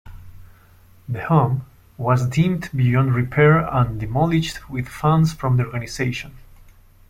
The home was deemed beyond repair and demolished with funds from the organization.